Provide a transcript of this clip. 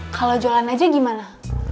kalau jualan aja gimana